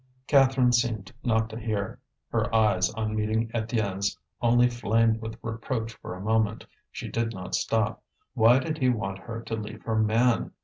Catherine seemed not to hear. Her eyes, on meeting Étienne's, only flamed with reproach for a moment. She did not stop. Why did he want her to leave her man?